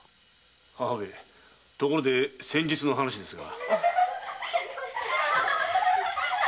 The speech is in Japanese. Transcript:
母上ところで先日の話ですが。